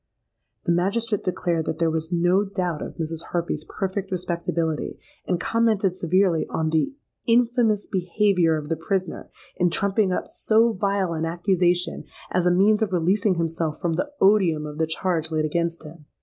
The magistrate declared that there was no doubt of Mrs. Harpy's perfect respectability, and commented severely on the '_infamous behaviour of the prisoner, in trumping up so vile an accusation, as a means of releasing himself from the odium of the charge laid against him_.'